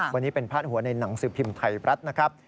วันนี้เป็นพาดหัวในหนังสือพิมพ์ไทยรัฐนะครับ